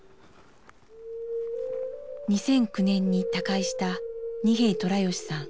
２００９年に他界した二瓶寅吉さん。